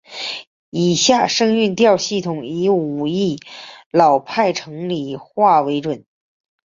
以下声韵调系统以武义老派城里话为准。